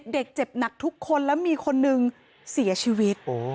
เด็กเจ็บหนักทุกคนแล้วมีคนนึงเสียชีวิต